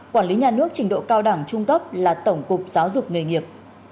quản lý nhà nước trình độ cao đẳng trung cấp là tổng cục giáo dục nghề nghiệp